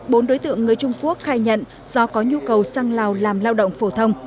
bốn đối tượng người trung quốc khai nhận do có nhu cầu sang lào làm lao động phổ thông